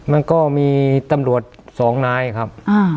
มันก็มีตำรวจสองนายครับ